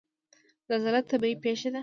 زلزله طبیعي پیښه ده